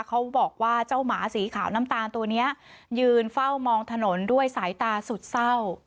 เขาบอกว่าเจ้าหมาสีขาวน้ำตาลตัวนี้ยืนเฝ้ามองถนนด้วยสายตาสุดเศร้า